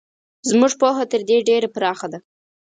زموږ پوهه تر دې ډېره پراخه ده.